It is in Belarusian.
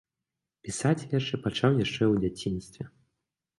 Пісаць вершы пачаў яшчэ ў дзяцінстве.